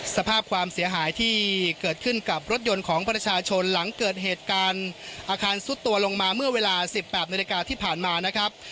สภาพความเสียหายที่เกิดขึ้นกับรถยนต์ของประชาชนหลังเกิดเหตุการณ์อาคารซุดตัวลงมาเมื่อเวลา๑๘นาฬิกาที่ผ่านมานะครับ